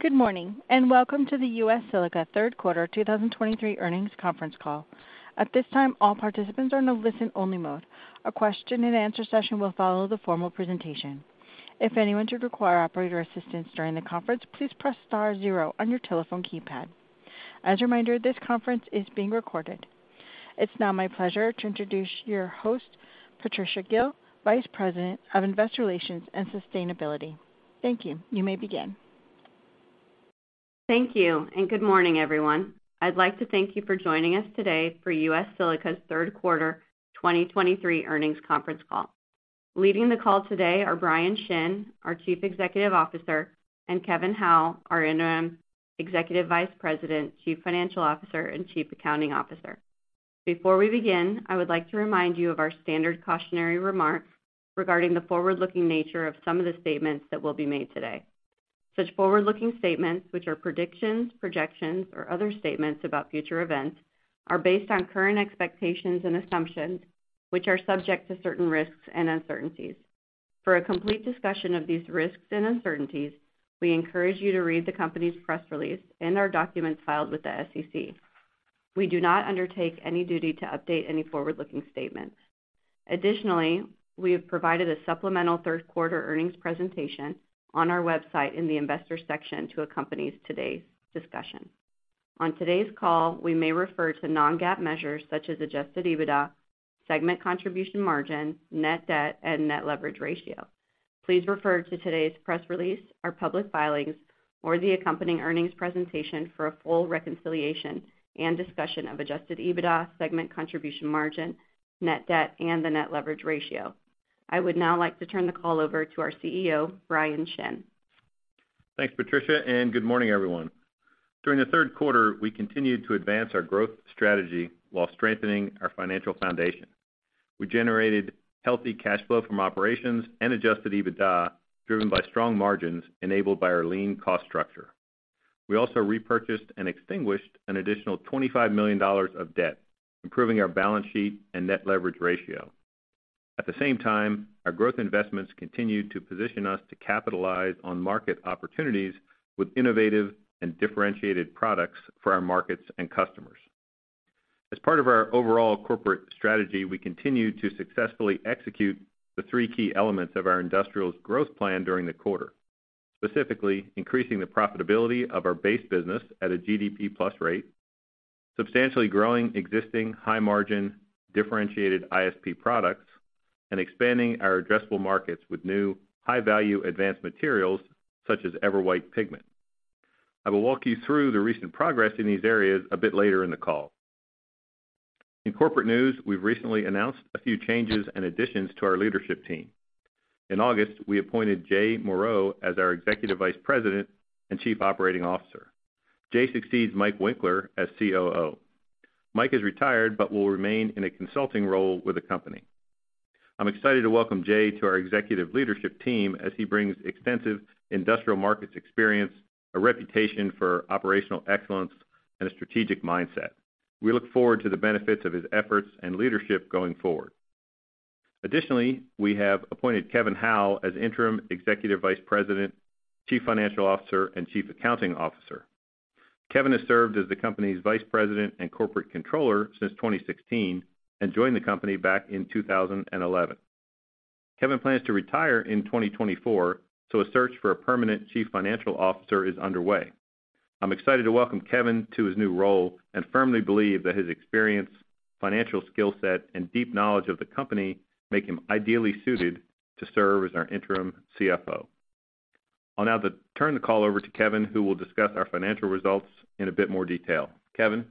Good morning, and welcome to the U.S. Silica third quarter 2023 earnings conference call. At this time, all participants are in a listen-only mode. A question and answer session will follow the formal presentation. If anyone should require operator assistance during the conference, please press star zero on your telephone keypad. As a reminder, this conference is being recorded. It's now my pleasure to introduce your host, Patricia Gil, Vice President of Investor Relations and Sustainability. Thank you. You may begin. Thank you, and good morning, everyone. I'd like to thank you for joining us today for U.S. Silica's third quarter 2023 earnings conference call. Leading the call today are Bryan Shinn, our Chief Executive Officer, and Kevin Hough, our Interim Executive Vice President, Chief Financial Officer, and Chief Accounting Officer. Before we begin, I would like to remind you of our standard cautionary remarks regarding the forward-looking nature of some of the statements that will be made today. Such forward-looking statements, which are predictions, projections, or other statements about future events, are based on current expectations and assumptions, which are subject to certain risks and uncertainties. For a complete discussion of these risks and uncertainties, we encourage you to read the company's press release and our documents filed with the SEC. We do not undertake any duty to update any forward-looking statements. Additionally, we have provided a supplemental third quarter earnings presentation on our website in the investor section to accompany today's discussion. On today's call, we may refer to non-GAAP measures such as Adjusted EBITDA, segment contribution margin, net debt, and net leverage ratio. Please refer to today's press release, our public filings, or the accompanying earnings presentation for a full reconciliation and discussion of Adjusted EBITDA, segment contribution margin, net debt, and the net leverage ratio. I would now like to turn the call over to our CEO, Bryan Shinn. Thanks, Patricia, and good morning, everyone. During the third quarter, we continued to advance our growth strategy while strengthening our financial foundation. We generated healthy cash flow from operations and Adjusted EBITDA, driven by strong margins enabled by our lean cost structure. We also repurchased and extinguished an additional $25 million of debt, improving our balance sheet and net leverage ratio. At the same time, our growth investments continued to position us to capitalize on market opportunities with innovative and differentiated products for our markets and customers. As part of our overall corporate strategy, we continued to successfully execute the three key elements of our industrials growth plan during the quarter. Specifically, increasing the profitability of our base business at a GDP plus rate, substantially growing existing high-margin, differentiated ISP products, and expanding our addressable markets with new high-value advanced materials, such as EverWhite Pigment. I will walk you through the recent progress in these areas a bit later in the call. In corporate news, we've recently announced a few changes and additions to our leadership team. In August, we appointed Jay Moreau as our Executive Vice President and Chief Operating Officer. Jay succeeds Mike Winkler as COO. Mike is retired but will remain in a consulting role with the company. I'm excited to welcome Jay to our executive leadership team as he brings extensive industrial markets experience, a reputation for operational excellence, and a strategic mindset. We look forward to the benefits of his efforts and leadership going forward. Additionally, we have appointed Kevin Hough as Interim Executive Vice President, Chief Financial Officer, and Chief Accounting Officer. Kevin has served as the company's Vice President and Corporate Controller since 2016, and joined the company back in 2011. Kevin plans to retire in 2024, so a search for a permanent Chief Financial Officer is underway. I'm excited to welcome Kevin to his new role and firmly believe that his experience, financial skill set, and deep knowledge of the company make him ideally suited to serve as our interim CFO. I'll now turn the call over to Kevin, who will discuss our financial results in a bit more detail. Kevin?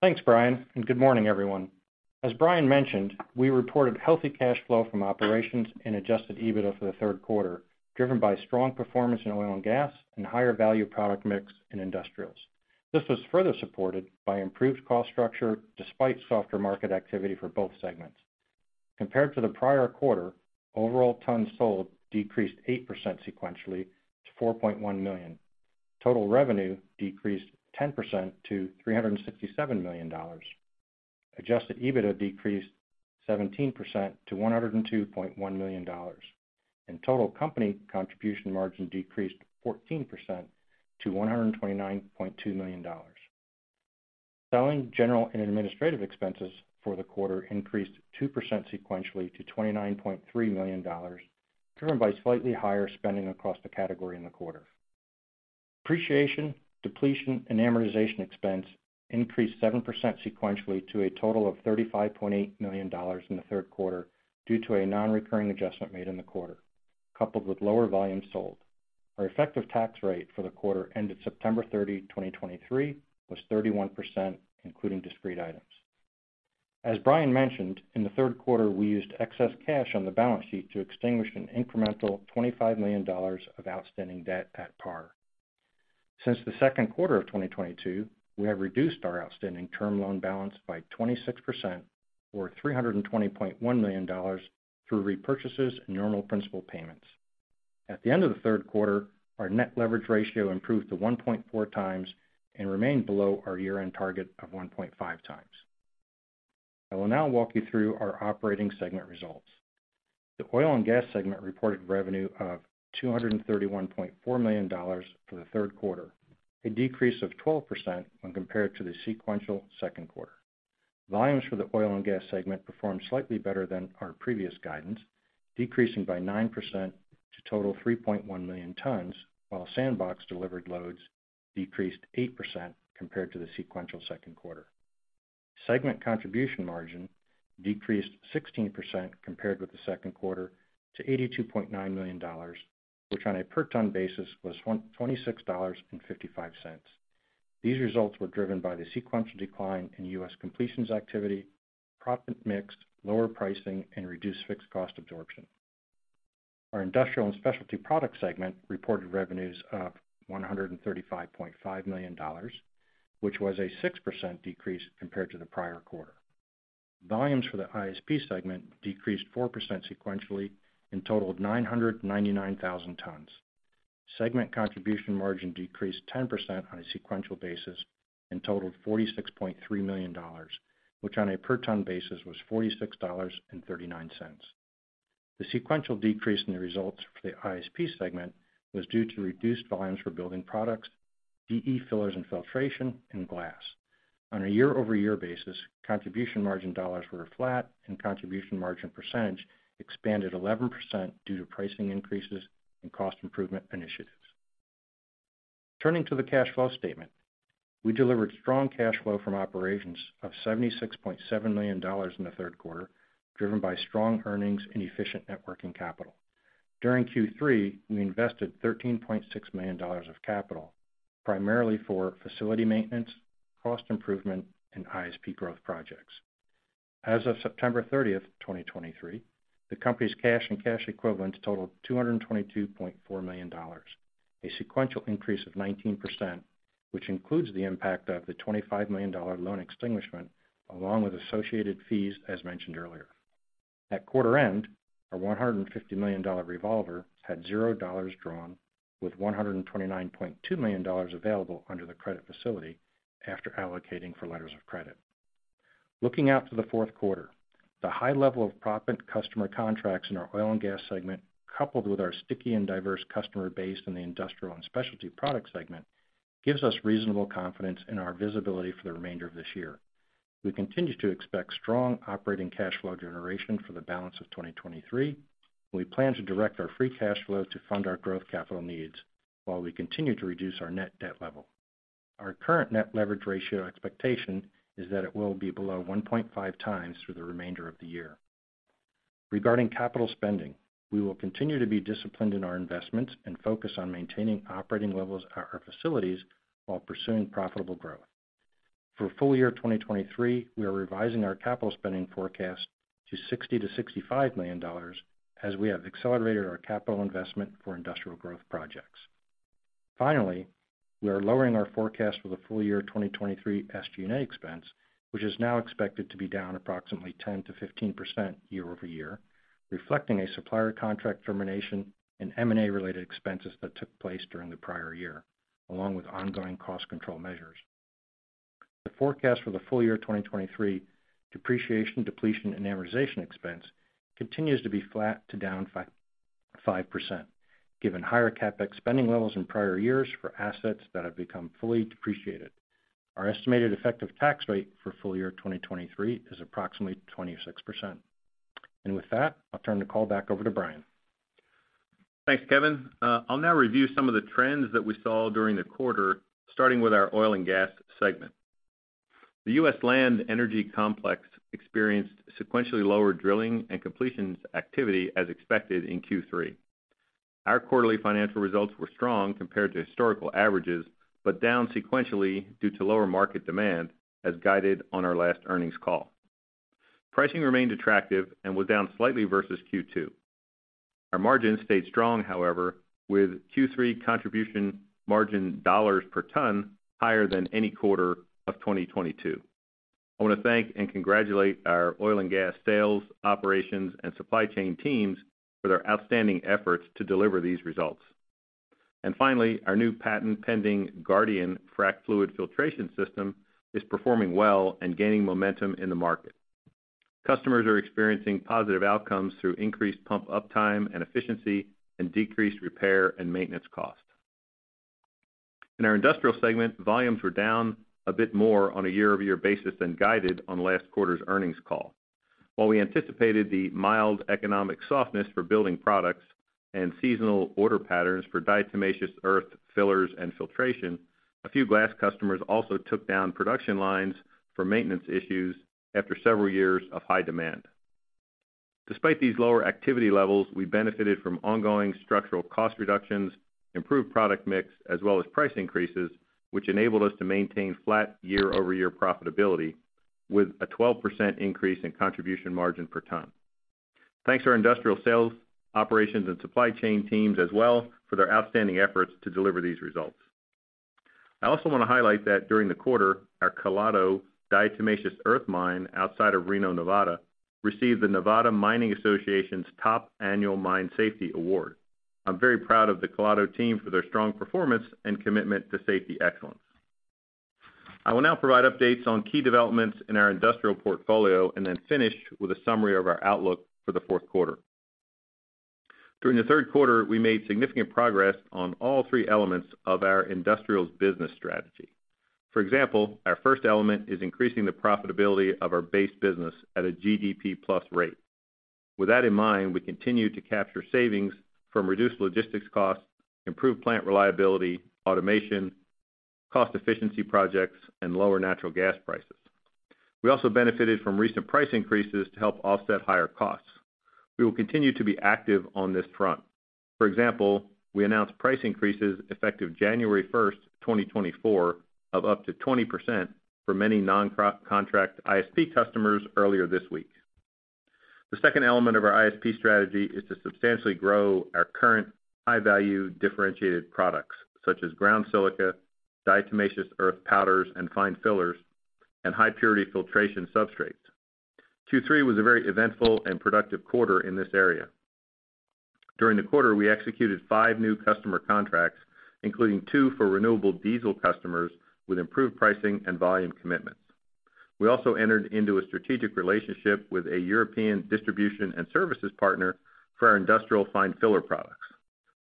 Thanks, Bryan, and good morning, everyone. As Bryan mentioned, we reported healthy cash flow from operations and Adjusted EBITDA for the third quarter, driven by strong performance in oil and gas and higher value product mix in industrials. This was further supported by improved cost structure despite softer market activity for both segments. Compared to the prior quarter, overall tons sold decreased 8% sequentially to 4.1 million. Total revenue decreased 10% to $367 million. Adjusted EBITDA decreased 17% to $102.1 million, and total company contribution margin decreased 14% to $129.2 million. Selling, general, and administrative expenses for the quarter increased 2% sequentially to $29.3 million, driven by slightly higher spending across the category in the quarter. Depreciation, depletion, and amortization expense increased 7% sequentially to a total of $35.8 million in the third quarter, due to a nonrecurring adjustment made in the quarter, coupled with lower volumes sold. Our effective tax rate for the quarter ended September 30, 2023, was 31%, including discrete items. As Bryan mentioned, in the third quarter, we used excess cash on the balance sheet to extinguish an incremental $25 million of outstanding debt at par. Since the second quarter of 2022, we have reduced our outstanding term loan balance by 26% or $320.1 million through repurchases and normal principal payments. At the end of the third quarter, our net leverage ratio improved to 1.4x and remained below our year-end target of 1.5x. I will now walk you through our operating segment results. The Oil & Gas segment reported revenue of $231.4 million for the third quarter, a decrease of 12% when compared to the sequential second quarter. Volumes for the Oil & Gas segment performed slightly better than our previous guidance, decreasing by 9% to total 3.1 million tons, while SandBox delivered loads decreased 8% compared to the sequential second quarter. Segment contribution margin decreased 16% compared with the second quarter to $82.9 million, which on a per ton basis was $126.55. These results were driven by the sequential decline in U.S. completions activity, proppant mix, lower pricing, and reduced fixed cost absorption. Our Industrial & Specialty Product segment reported revenues of $135.5 million, which was a 6% decrease compared to the prior quarter. Volumes for the ISP segment decreased 4% sequentially and totaled 999,000 tons. Segment contribution margin decreased 10% on a sequential basis and totaled $46.3 million, which on a per ton basis was $46.39. The sequential decrease in the results for the ISP segment was due to reduced volumes for building products, DE fillers and filtration, and glass. On a year-over-year basis, contribution margin dollars were flat and contribution margin percentage expanded 11% due to pricing increases and cost improvement initiatives. Turning to the cash flow statement. We delivered strong cash flow from operations of $76.7 million in the third quarter, driven by strong earnings and efficient working capital. During Q3, we invested $13.6 million of capital, primarily for facility maintenance, cost improvement, and ISP growth projects. As of September 30, 2023, the company's cash and cash equivalents totaled $222.4 million, a sequential increase of 19%, which includes the impact of the $25 million loan extinguishment, along with associated fees, as mentioned earlier. At quarter end, our $150 million revolver had $0 drawn, with $129.2 million available under the credit facility after allocating for letters of credit. Looking out to the fourth quarter, the high level of proppant customer contracts in our Oil & Gas segment, coupled with our sticky and diverse customer base in the Industrial & Specialty Product segment, gives us reasonable confidence in our visibility for the remainder of this year. We continue to expect strong operating cash flow generation for the balance of 2023. We plan to direct our free cash flow to fund our growth capital needs while we continue to reduce our net debt level. Our current net leverage ratio expectation is that it will be below 1.5x through the remainder of the year. Regarding capital spending, we will continue to be disciplined in our investments and focus on maintaining operating levels at our facilities while pursuing profitable growth. For full year 2023, we are revising our capital spending forecast to $60 million-$65 million, as we have accelerated our capital investment for industrial growth projects. Finally, we are lowering our forecast for the full year 2023 SG&A expense, which is now expected to be down approximately 10%-15% year-over-year, reflecting a supplier contract termination and M&A-related expenses that took place during the prior year, along with ongoing cost control measures. The forecast for the full year 2023 depreciation, depletion, and amortization expense continues to be flat to down 5%, given higher CapEx spending levels in prior years for assets that have become fully depreciated. Our estimated effective tax rate for full year 2023 is approximately 26%. And with that, I'll turn the call back over to Bryan. Thanks, Kevin. I'll now review some of the trends that we saw during the quarter, starting with our Oil & Gas segment. The U.S. land energy complex experienced sequentially lower drilling and completions activity as expected in Q3. Our quarterly financial results were strong compared to historical averages, but down sequentially due to lower market demand, as guided on our last earnings call. Pricing remained attractive and was down slightly versus Q2. Our margin stayed strong, however, with Q3 contribution margin dollars per ton higher than any quarter of 2022. I want to thank and congratulate our oil and gas sales, operations, and supply chain teams for their outstanding efforts to deliver these results. And finally, our new patent-pending Guardian frac fluid filtration system is performing well and gaining momentum in the market. Customers are experiencing positive outcomes through increased pump uptime and efficiency and decreased repair and maintenance costs. In our Industrial segment, volumes were down a bit more on a year-over-year basis than guided on last quarter's earnings call. While we anticipated the mild economic softness for building products and seasonal order patterns for diatomaceous earth, fillers, and filtration, a few glass customers also took down production lines for maintenance issues after several years of high demand. Despite these lower activity levels, we benefited from ongoing structural cost reductions, improved product mix, as well as price increases, which enabled us to maintain flat year-over-year profitability with a 12% increase in contribution margin per ton. Thanks to our industrial sales, operations, and supply chain teams as well for their outstanding efforts to deliver these results. I also want to highlight that during the quarter, our Colado diatomaceous earth mine outside of Reno, Nevada, received the Nevada Mining Association's top Annual Mine Safety Award. I'm very proud of the Colado team for their strong performance and commitment to safety excellence. I will now provide updates on key developments in our industrial portfolio, and then finish with a summary of our outlook for the fourth quarter. During the third quarter, we made significant progress on all three elements of our industrials business strategy. For example, our first element is increasing the profitability of our base business at a GDP plus rate. With that in mind, we continue to capture savings from reduced logistics costs, improved plant reliability, automation, cost efficiency projects, and lower natural gas prices. We also benefited from recent price increases to help offset higher costs. We will continue to be active on this front. For example, we announced price increases effective January 1st, 2024, of up to 20% for many non-proppant contract ISP customers earlier this week. The second element of our ISP strategy is to substantially grow our current high-value differentiated products, such as ground silica, diatomaceous earth powders, and fine fillers, and high purity filtration substrates. Q3 was a very eventful and productive quarter in this area. During the quarter, we executed 5 new customer contracts, including two for renewable diesel customers with improved pricing and volume commitments. We also entered into a strategic relationship with a European distribution and services partner for our industrial fine filler products.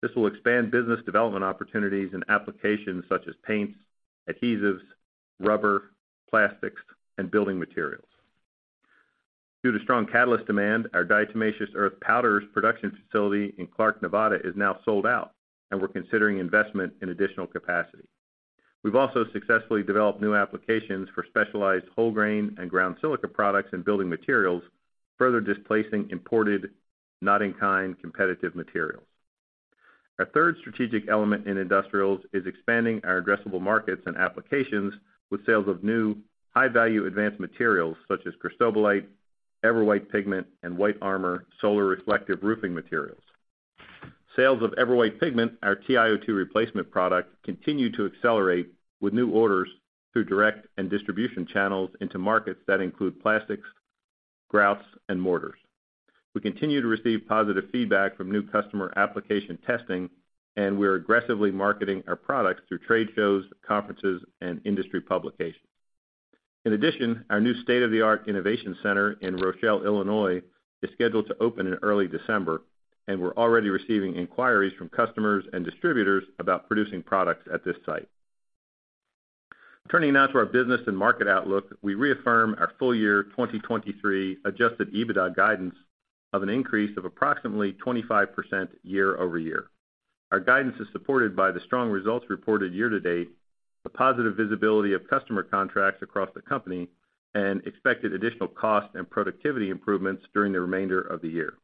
This will expand business development opportunities and applications such as paints, adhesives, rubber, plastics, and building materials. Due to strong catalyst demand, our diatomaceous earth powders production facility in Clark, Nevada, is now sold out, and we're considering investment in additional capacity. We've also successfully developed new applications for specialized whole grain and ground silica products and building materials, further displacing imported, not in kind, competitive materials. Our third strategic element in industrials is expanding our addressable markets and applications with sales of new, high-value advanced materials, such as cristobalite, EverWhite Pigment, and White Armor solar reflective roofing materials. Sales of EverWhite Pigment, our TiO2 replacement product, continue to accelerate with new orders through direct and distribution channels into markets that include plastics, grouts, and mortars. We continue to receive positive feedback from new customer application testing, and we're aggressively marketing our products through trade shows, conferences, and industry publications. In addition, our new state-of-the-art innovation center in Rochelle, Illinois, is scheduled to open in early December, and we're already receiving inquiries from customers and distributors about producing products at this site. Turning now to our business and market outlook, we reaffirm our full year 2023 Adjusted EBITDA guidance of an increase of approximately 25% year-over-year. Our guidance is supported by the strong results reported year-to-date, the positive visibility of customer contracts across the company, and expected additional cost and productivity improvements during the remainder of the year.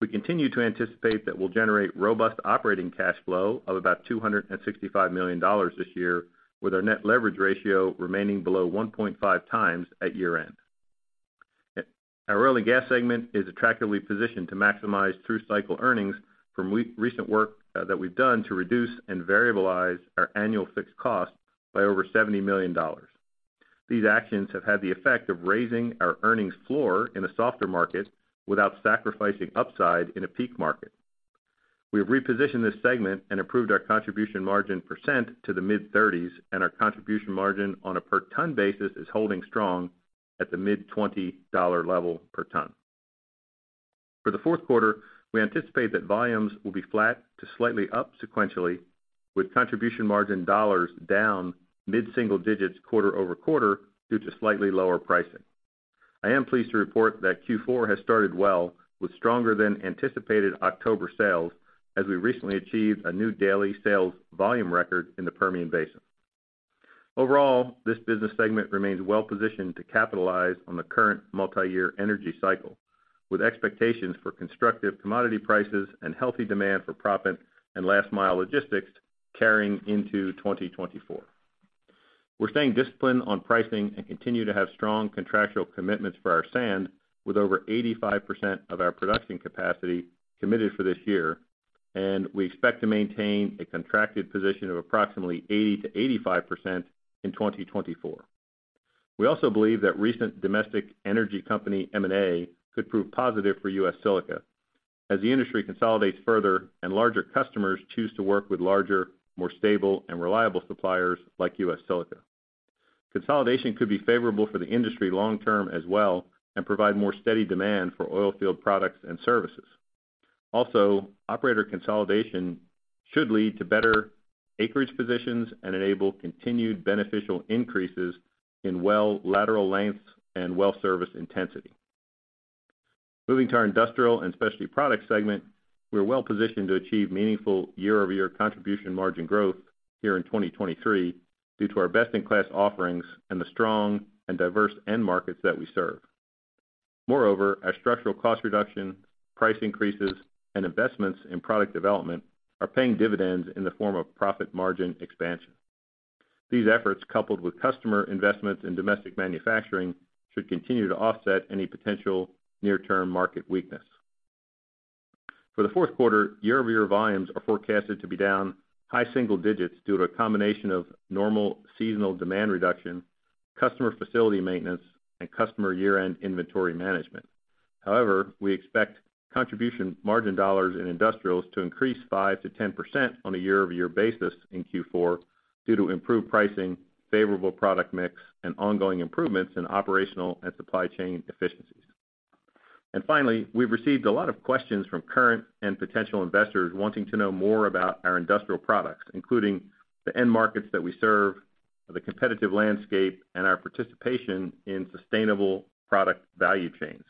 We continue to anticipate that we'll generate robust operating cash flow of about $265 million this year, with our net leverage ratio remaining below 1.5x at year-end. Our Oil & Gas segment is attractively positioned to maximize through-cycle earnings from recent work that we've done to reduce and variabilize our annual fixed costs by over $70 million. These actions have had the effect of raising our earnings floor in a softer market without sacrificing upside in a peak market. We have repositioned this segment and improved our contribution margin to the mid-30s, and our contribution margin on a per ton basis is holding strong at the mid-$20 level per ton. For the fourth quarter, we anticipate that volumes will be flat to slightly up sequentially, with contribution margin dollars down mid-single digits quarter-over-quarter due to slightly lower pricing. I am pleased to report that Q4 has started well, with stronger than anticipated October sales, as we recently achieved a new daily sales volume record in the Permian Basin. Overall, this business segment remains well positioned to capitalize on the current multi-year energy cycle, with expectations for constructive commodity prices and healthy demand for proppant and last mile logistics carrying into 2024. We're staying disciplined on pricing and continue to have strong contractual commitments for our sand, with over 85% of our production capacity committed for this year, and we expect to maintain a contracted position of approximately 80%-85% in 2024. We also believe that recent domestic energy company M&A could prove positive for U.S. Silica as the industry consolidates further and larger customers choose to work with larger, more stable, and reliable suppliers like U.S. Silica. Consolidation could be favorable for the industry long term as well and provide more steady demand for oil field products and services. Also, operator consolidation should lead to better acreage positions and enable continued beneficial increases in well lateral lengths and well service intensity. Moving to our Industrial & Specialty Products segment, we're well positioned to achieve meaningful year-over-year contribution margin growth here in 2023, due to our best-in-class offerings and the strong and diverse end markets that we serve. Moreover, our structural cost reduction, price increases, and investments in product development are paying dividends in the form of profit margin expansion. These efforts, coupled with customer investments in domestic manufacturing, should continue to offset any potential near-term market weakness. For the fourth quarter, year-over-year volumes are forecasted to be down high single digits due to a combination of normal seasonal demand reduction, customer facility maintenance, and customer year-end inventory management. However, we expect contribution margin dollars in Industrials to increase 5%-10% on a year-over-year basis in Q4, due to improved pricing, favorable product mix, and ongoing improvements in operational and supply chain efficiencies. Finally, we've received a lot of questions from current and potential investors wanting to know more about our industrial products, including the end markets that we serve, the competitive landscape, and our participation in sustainable product value chains.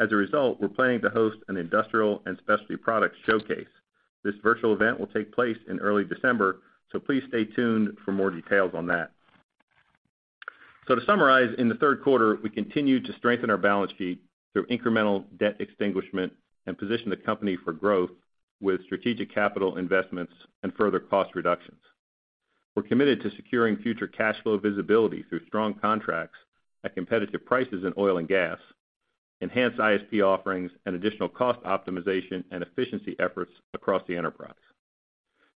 As a result, we're planning to host an Industrial & Specialty Product showcase. This virtual event will take place in early December, so please stay tuned for more details on that. To summarize, in the third quarter, we continued to strengthen our balance sheet through incremental debt extinguishment and position the company for growth with strategic capital investments and further cost reductions. We're committed to securing future cash flow visibility through strong contracts at competitive prices in oil and gas, enhanced ISP offerings, and additional cost optimization and efficiency efforts across the enterprise.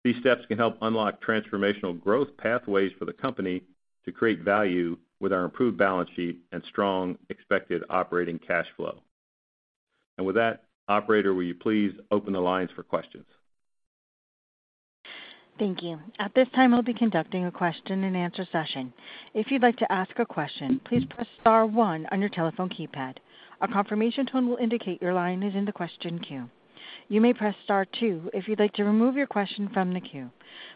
These steps can help unlock transformational growth pathways for the company to create value with our improved balance sheet and strong expected operating cash flow. With that, operator, will you please open the lines for questions? Thank you. At this time, we'll be conducting a question-and-answer session. If you'd like to ask a question, please press star one on your telephone keypad. A confirmation tone will indicate your line is in the question queue. You may press star two if you'd like to remove your question from the queue.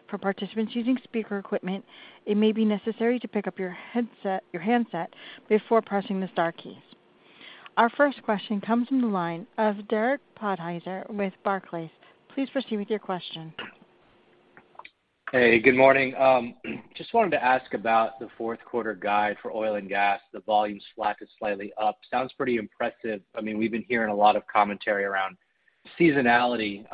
For participants using speaker equipment, it may be necessary to pick up your headset, your handset before pressing the star keys. Our first question comes from the line of Derek Podhaizer with Barclays. Please proceed with your question. Hey, good morning. Just wanted to ask about the fourth quarter guide for oil and gas. The volume slack is slightly up. Sounds pretty impressive. I mean, we've been hearing a lot of commentary around seasonality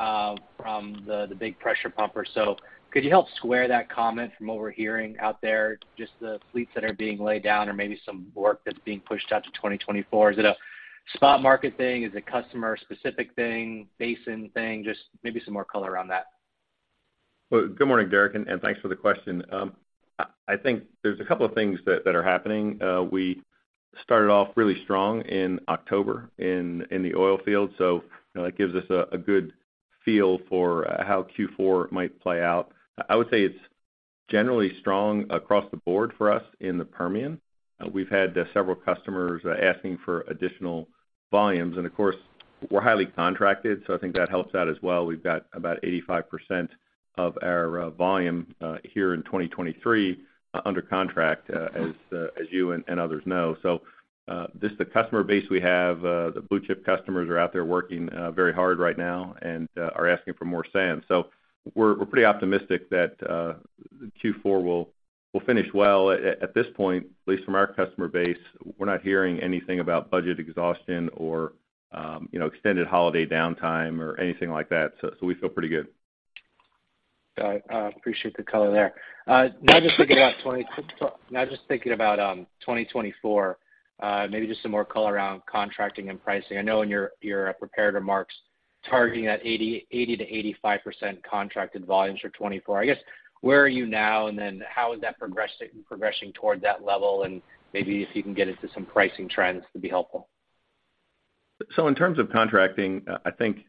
from the big pressure pumpers. So could you help square that comment from what we're hearing out there, just the fleets that are being laid down or maybe some work that's being pushed out to 2024? Is it a spot market thing? Is it customer-specific thing, basin thing? Just maybe some more color around that. Well, good morning, Derek, and thanks for the question. I think there's a couple of things that are happening. We started off really strong in October in the oil field, so, you know, that gives us a good feel for how Q4 might play out. I would say it's generally strong across the board for us in the Permian. We've had several customers asking for additional volumes, and of course, we're highly contracted, so I think that helps out as well. We've got about 85% of our volume here in 2023 under contract, as you and others know. So, just the customer base we have, the blue chip customers are out there working very hard right now and are asking for more sand. So we're pretty optimistic that Q4 will finish well. At this point, at least from our customer base, we're not hearing anything about budget exhaustion or, you know, extended holiday downtime or anything like that, so we feel pretty good. Got it. I appreciate the color there. Now just thinking about 2024, maybe just some more color around contracting and pricing. I know in your prepared remarks, targeting that 80%-85% contracted volumes for 2024. I guess, where are you now? And then how is that progressing toward that level? And maybe if you can get into some pricing trends, it would be helpful. So in terms of contracting, I think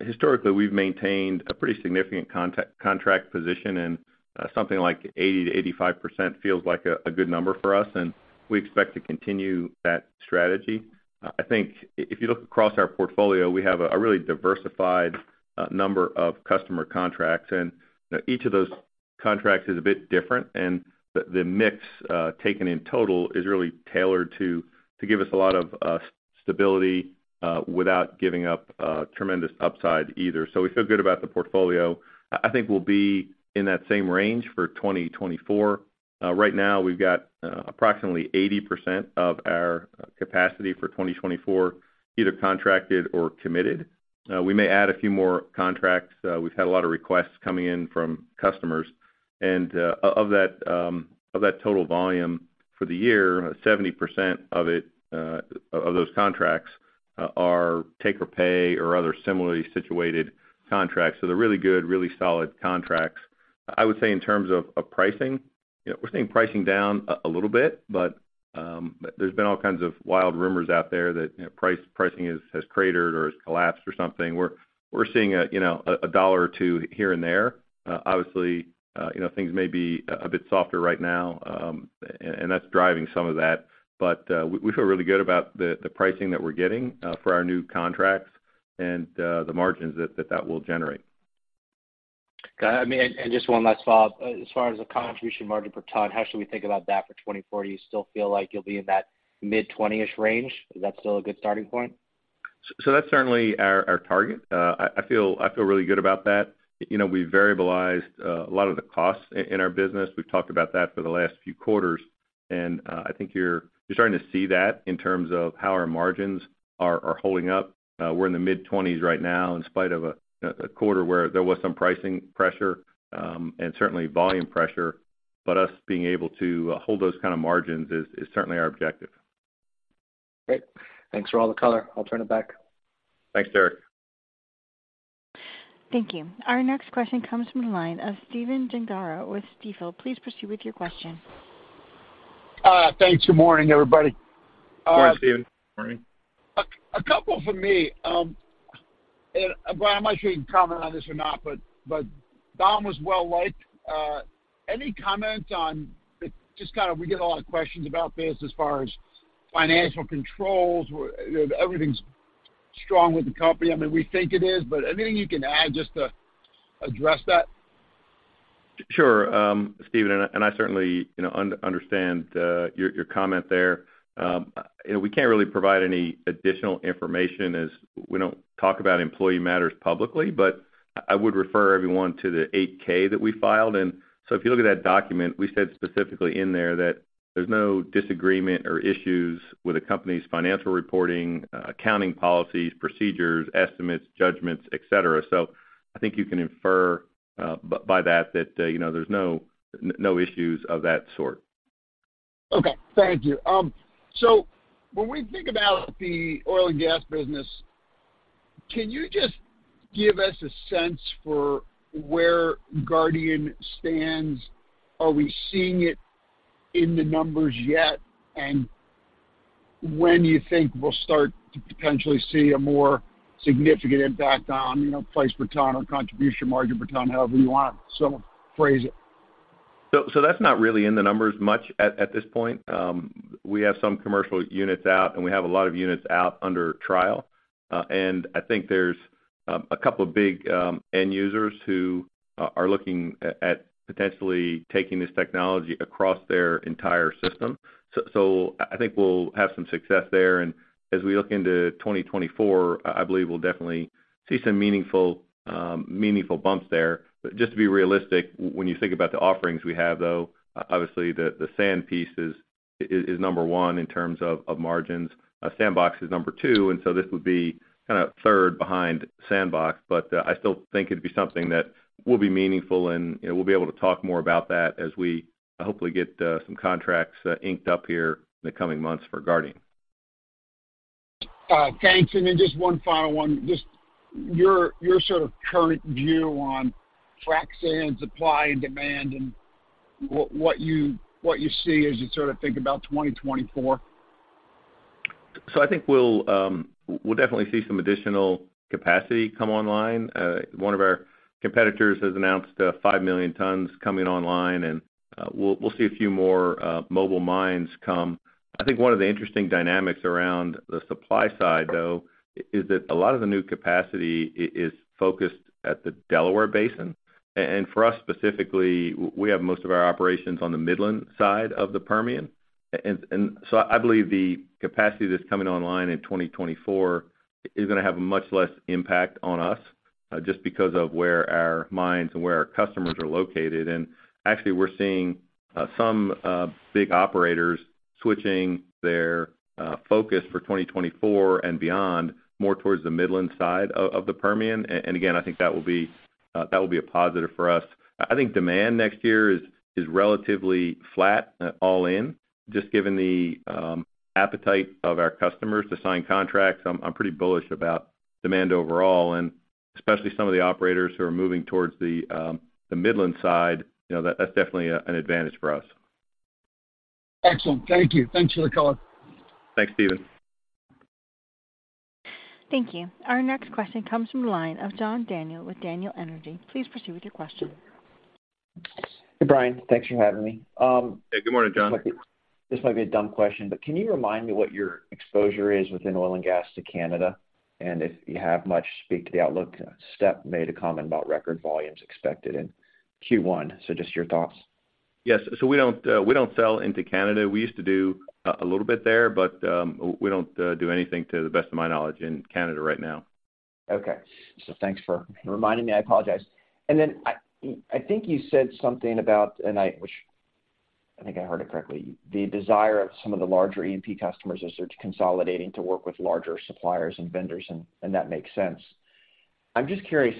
historically, we've maintained a pretty significant contract position, and something like 80%-85% feels like a good number for us, and we expect to continue that strategy. I think if you look across our portfolio, we have a really diversified number of customer contracts, and you know, each of those contracts is a bit different, and the mix taken in total is really tailored to give us a lot of stability without giving up tremendous upside either. So we feel good about the portfolio. I think we'll be in that same range for 2024. Right now, we've got approximately 80% of our capacity for 2024, either contracted or committed. We may add a few more contracts. We've had a lot of requests coming in from customers. And, of that, of that total volume for the year, 70% of it, of, of those contracts, are take or pay or other similarly situated contracts. So they're really good, really solid contracts. I would say in terms of, of pricing, you know, we're seeing pricing down a little bit, but, there's been all kinds of wild rumors out there that, you know, pricing has cratered or has collapsed or something. We're seeing, you know, $1 or $2 here and there. Obviously, you know, things may be a bit softer right now, and that's driving some of that. But we feel really good about the pricing that we're getting for our new contracts and the margins that will generate. Got it. I mean, and just one last follow-up. As far as the contribution margin per ton, how should we think about that for 2024? Do you still feel like you'll be in that mid-20s range? Is that still a good starting point? So that's certainly our target. I feel really good about that. You know, we've variabilized a lot of the costs in our business. We've talked about that for the last few quarters, and I think you're starting to see that in terms of how our margins are holding up. We're in the mid-20s right now, in spite of a quarter where there was some pricing pressure, and certainly volume pressure, but us being able to hold those kind of margins is certainly our objective. Great. Thanks for all the color. I'll turn it back. Thanks, Derek. Thank you. Our next question comes from the line of Stephen Gengaro with Stifel. Please proceed with your question. Thanks. Good morning, everybody. Good morning, Stephen. Good morning. A couple from me. And Bryan, I'm not sure you can comment on this or not, but Don was well-liked. Any comment on the, just kinda we get a lot of questions about this as far as financial controls, where, you know, everything's strong with the company. I mean, we think it is, but anything you can add just to address that? Sure. Stephen, and I certainly, you know, understand your comment there. You know, we can't really provide any additional information, as we don't talk about employee matters publicly. But I would refer everyone to the 8-K that we filed. So if you look at that document, we said specifically in there that there's no disagreement or issues with the company's financial reporting, accounting policies, procedures, estimates, judgments, et cetera. So I think you can infer by that that you know, there's no issues of that sort. Okay, thank you. So when we think about the oil and gas business, can you just give us a sense for where Guardian stands? Are we seeing it in the numbers yet, and when do you think we'll start to potentially see a more significant impact on, you know, price per ton or contribution margin per ton, however you want to sort of phrase it? So that's not really in the numbers much at this point. We have some commercial units out, and we have a lot of units out under trial. And I think there's a couple of big end users who are looking at potentially taking this technology across their entire system. So I think we'll have some success there. And as we look into 2024, I believe we'll definitely see some meaningful bumps there. But just to be realistic, when you think about the offerings we have, though, obviously, the sand piece is number one in terms of margins. SandBox is number two, and so this would be kinda third behind SandBox. But, I still think it'd be something that will be meaningful, and, you know, we'll be able to talk more about that as we hopefully get some contracts inked up here in the coming months for Guardian. Thanks. Then just one final one. Just your, your sort of current view on frac sand supply and demand, and what, what you, what you see as you sort of think about 2024. So I think we'll definitely see some additional capacity come online. One of our competitors has announced 5 million tons coming online, and we'll see a few more mobile mines come. I think one of the interesting dynamics around the supply side, though, is that a lot of the new capacity is focused at the Delaware Basin. And for us specifically, we have most of our operations on the Midland side of the Permian. And so I believe the capacity that's coming online in 2024 is gonna have a much less impact on us, just because of where our mines and where our customers are located. And actually, we're seeing some big operators switching their focus for 2024 and beyond, more towards the Midland side of the Permian. And again, I think that will be, that will be a positive for us. I think demand next year is, is relatively flat, all in, just given the, appetite of our customers to sign contracts. I'm, I'm pretty bullish about demand overall, and especially some of the operators who are moving towards the, the Midland side, you know, that's definitely an advantage for us. Excellent. Thank you. Thanks for the call. Thanks, Stephen. Thank you. Our next question comes from the line of John Daniel with Daniel Energy. Please proceed with your question. Hey, Bryan. Thanks for having me. Hey, good morning, John. This might be a dumb question, but can you remind me what your exposure is within oil and gas to Canada? If you have much, speak to the outlook. STEP made a comment about record volumes expected in Q1, so just your thoughts. Yes. So we don't, we don't sell into Canada. We used to do a little bit there, but, we don't do anything to the best of my knowledge in Canada right now. Okay. Thanks for reminding me. I apologize. And then I think you said something about, which I think I heard it correctly, the desire of some of the larger EP customers as they're consolidating to work with larger suppliers and vendors, and that makes sense. I'm just curious.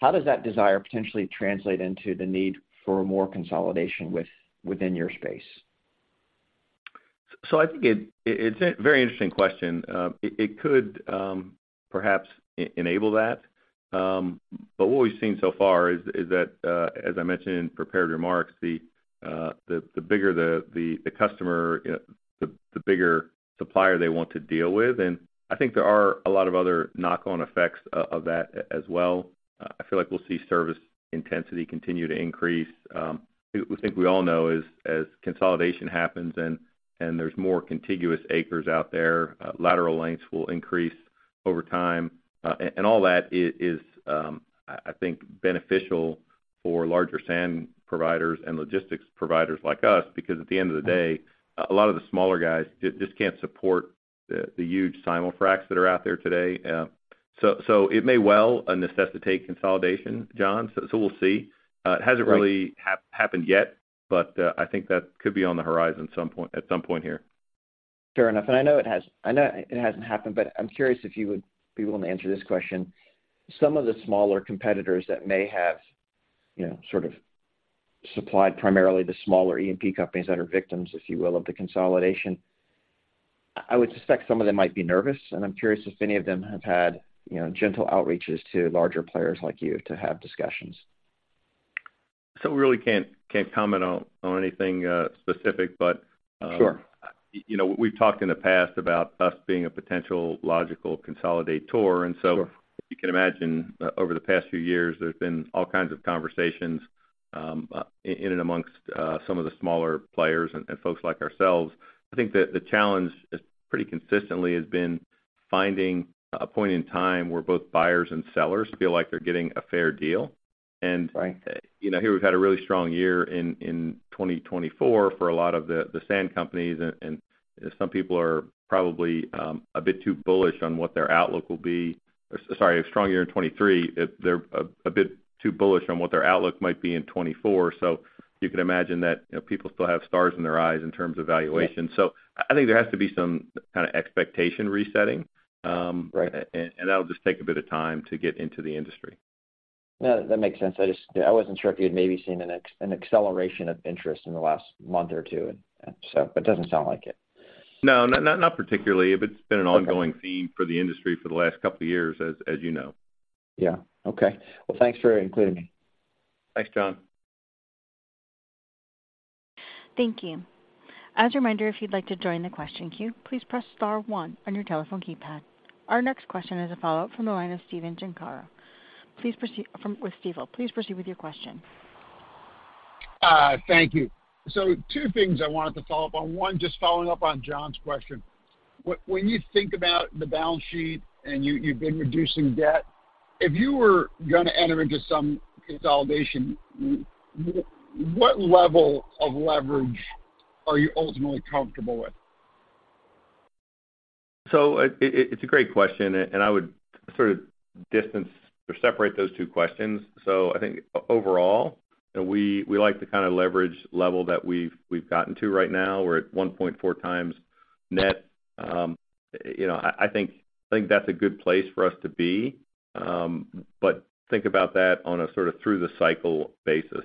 How does that desire potentially translate into the need for more consolidation within your space? So I think it's a very interesting question. It could perhaps enable that. But what we've seen so far is that, as I mentioned in prepared remarks, the bigger the customer, the bigger supplier they want to deal with. And I think there are a lot of other knock-on effects of that as well. I feel like we'll see service intensity continue to increase. I think we all know as consolidation happens and there's more contiguous acres out there, lateral lengths will increase over time. And all that is, I think, beneficial for larger sand providers and logistics providers like us, because at the end of the day, a lot of the smaller guys just can't support the huge simul fracs that are out there today. So it may well necessitate consolidation, John. So we'll see. It hasn't really happened yet, but I think that could be on the horizon at some point, at some point here. Fair enough. And I know it has, I know it hasn't happened, but I'm curious if you would be willing to answer this question. Some of the smaller competitors that may have, you know, sort of supplied primarily the smaller EP companies that are victims, if you will, of the consolidation. I would suspect some of them might be nervous, and I'm curious if any of them have had, you know, gentle outreaches to larger players like you to have discussions? So we really can't comment on anything specific, but you know, we've talked in the past about us being a potential logical consolidator. Sure. And so you can imagine, over the past few years, there's been all kinds of conversations, in and amongst, some of the smaller players and, and folks like ourselves. I think that the challenge is pretty consistently has been finding a point in time where both buyers and sellers feel like they're getting a fair deal. Right. You know, here we've had a really strong year in 2024 for a lot of the sand companies, and some people are probably a bit too bullish on what their outlook will be. Sorry, a strong year in 2023. They're a bit too bullish on what their outlook might be in 2024. So you could imagine that, you know, people still have stars in their eyes in terms of valuations. Yeah. I think there has to be some kind of expectation resetting and that'll just take a bit of time to get into the industry. No, that makes sense. I just, I wasn't sure if you'd maybe seen an acceleration of interest in the last month or two, and, and so, but it doesn't sound like it. No, not particularly, but it's been an ongoing theme for the industry for the last couple of years, as you know. Yeah. Okay. Well, thanks for including me. Thanks, John. Thank you. As a reminder, if you'd like to join the question queue, please press star one on your telephone keypad. Our next question is a follow-up from the line of Stephen Gengaro. Please proceed with your question. Thank you. So two things I wanted to follow up on. One, just following up on John's question. When you think about the balance sheet, and you've been reducing debt, if you were gonna enter into some consolidation, what level of leverage are you ultimately comfortable with? So it's a great question, and I would sort of distance or separate those two questions. So I think overall, we like the kind of leverage level that we've gotten to right now. We're at 1.4x net. You know, I think that's a good place for us to be, but think about that on a sort of through the cycle basis.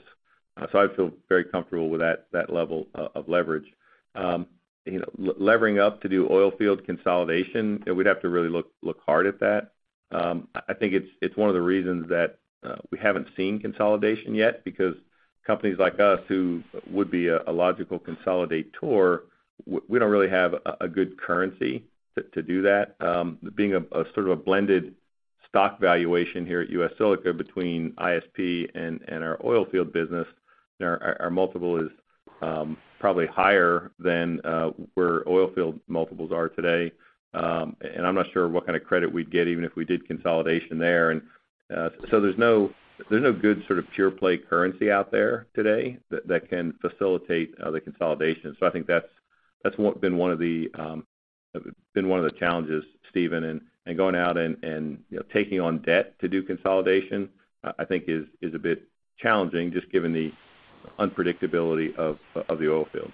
So I feel very comfortable with that level of leverage. You know, levering up to do oil field consolidation, and we'd have to really look hard at that. I think it's one of the reasons that we haven't seen consolidation yet, because companies like us, who would be a logical consolidator, we don't really have a good currency to do that. Being a sort of a blended stock valuation here at U.S. Silica between ISP and our oil field business, and our multiple is probably higher than where oil field multiples are today. And I'm not sure what kind of credit we'd get, even if we did consolidation there. And so there's no good sort of pure play currency out there today that can facilitate the consolidation. So I think that's what been one of the challenges, Stephen, and going out and, you know, taking on debt to do consolidation, I think is a bit challenging, just given the unpredictability of the oil field.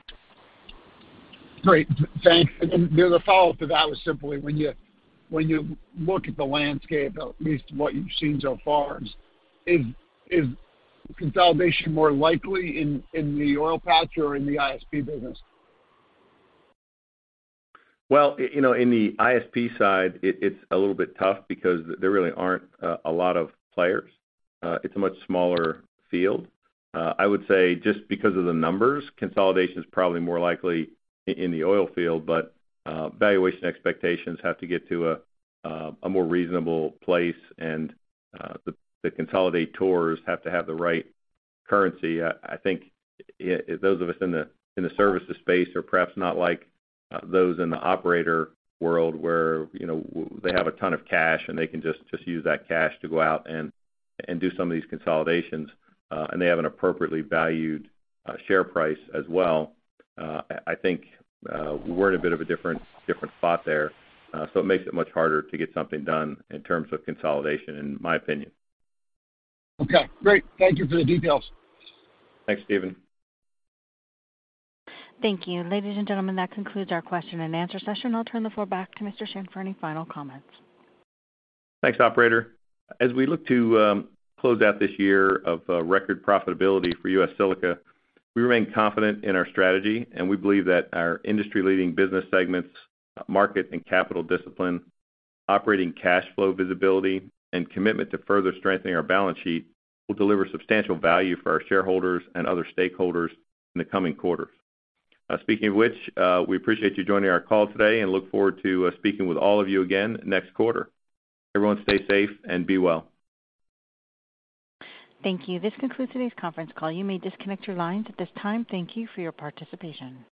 Great, thanks. And then the follow-up to that was simply, when you look at the landscape, at least what you've seen so far, is consolidation more likely in the oil patch or in the ISP business? Well, you know, in the ISP side, it, it's a little bit tough because there really aren't a lot of players. It's a much smaller field. I would say just because of the numbers, consolidation is probably more likely in the oil field, but valuation expectations have to get to a more reasonable place, and the consolidators have to have the right currency. I think those of us in the services space are perhaps not like those in the operator world where, you know, they have a ton of cash, and they can just use that cash to go out and do some of these consolidations, and they have an appropriately valued share price as well. I think we're in a bit of a different spot there, so it makes it much harder to get something done in terms of consolidation, in my opinion. Okay, great. Thank you for the details. Thanks, Stephen. Thank you. Ladies and gentlemen, that concludes our question and answer session. I'll turn the floor back to Mr. Shinn for any final comments. Thanks, operator. As we look to close out this year of record profitability for U.S. Silica, we remain confident in our strategy, and we believe that our industry-leading business segments, market and capital discipline, operating cash flow visibility, and commitment to further strengthening our balance sheet will deliver substantial value for our shareholders and other stakeholders in the coming quarters. Speaking of which, we appreciate you joining our call today and look forward to speaking with all of you again next quarter. Everyone, stay safe and be well. Thank you. This concludes today's conference call. You may disconnect your lines at this time. Thank you for your participation.